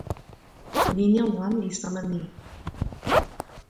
linja wan li sama ni.